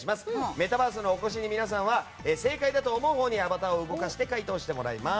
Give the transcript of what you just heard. メタバースにお越しの皆さんは正解だと思うほうにアバターを動かして回答してもらいます。